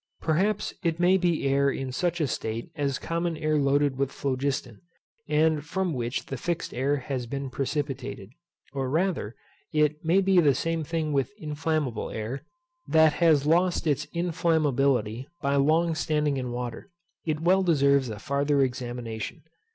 Perhaps it may be air in such a state as common air loaded with phlogiston, and from which the fixed air has been precipitated. Or rather, it may be the same thing with inflammable air, that has lost its inflammability by long standing in water. It well deserves a farther examination.